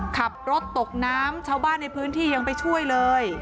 ขับรถตกน้ำชาวบ้านในพื้นที่ยังไปช่วยเลย